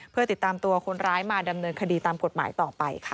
เพื่อติดตามตัวคนร้ายมาดำเนินคดีตามกฎหมายต่อไปค่ะ